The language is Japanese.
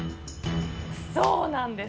そうなんです。